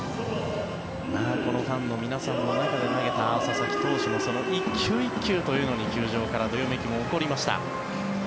このファンの皆さんの中で投げた佐々木投手の１球１球というのに球場からどよめきも起こりました。